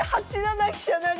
８七飛車成？